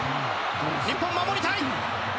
日本、守りたい！